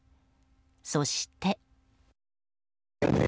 そして。